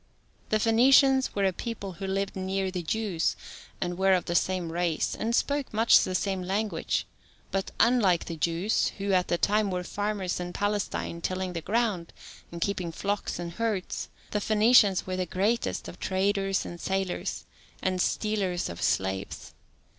The Phoenicians were a people who lived near the Jews, and were of the same race, and spoke much the same language, but, unlike the Jews, who, at that time were farmers in Palestine, tilling the ground, and keeping flocks and herds, the Phoenicians were the greatest of traders and sailors, and stealers of slaves.